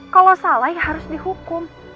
kalau salah ya harus dihukum